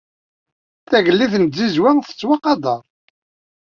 Tagellidt n tzizwa tettwaqader.